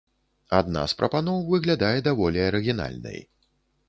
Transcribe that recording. Адна з прапаноў выглядае даволі арыгінальнай.